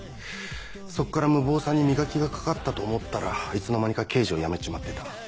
そっから無謀さに磨きがかかったと思ったらいつの間にか刑事を辞めちまってた。